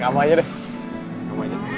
kamu aja deh